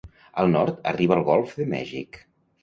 Al nord arriba al golf de Mèxic.